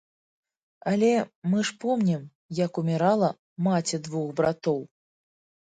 Але ж мы помнім, як умірала маці двух братоў.